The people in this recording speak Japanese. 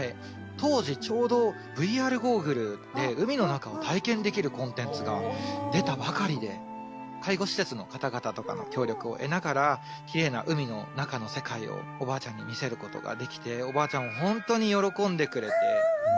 当時ちょうどＶＲゴーグルで海の中を体験できるコンテンツが出たばかりで介護施設の方々とかの協力を得ながらきれいな海の中の世界をおばあちゃんに見せる事ができておばあちゃんもホントに喜んでくれて。